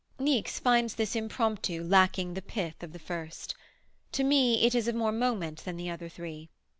Niecks finds this Impromptu lacking the pith of the first. To me it is of more moment than the other three.